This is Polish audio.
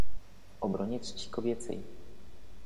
"W obronie czci kobiecej."